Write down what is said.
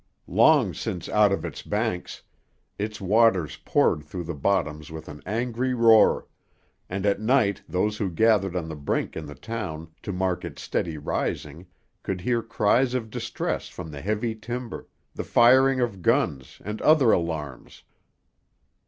Long since out of its banks, its waters poured through the bottoms with an angry roar, and at night those who gathered on the brink in the town to mark its steady rising could hear cries of distress from the heavy timber, the firing of guns, and other alarms.